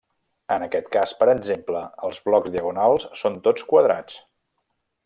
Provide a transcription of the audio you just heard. En aquest cas, per exemple, els blocs diagonals són tots quadrats.